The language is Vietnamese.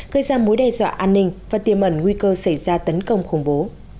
gây ra mối đe dọa an ninh và tiềm ẩn nguy cơ xảy ra tấn công khủng bố